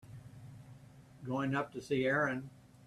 Going up to see Erin.